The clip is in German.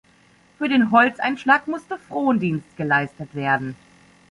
Für den Holzeinschlag musste Frondienst geleistet werden.